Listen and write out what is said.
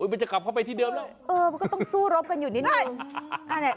มันจะกลับเข้าไปที่เดิมแล้วมันก็ต้องสู้รบกันอยู่นิดหน่อย